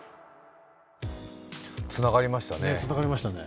つながりました。